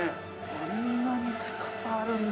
こんなに高さあるんだ。